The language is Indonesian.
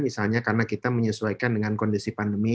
misalnya karena kita menyesuaikan dengan kondisi pandemi